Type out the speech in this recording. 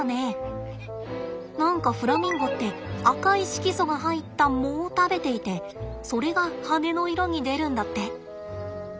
何かフラミンゴって赤い色素が入った藻を食べていてそれが羽の色に出るんだって。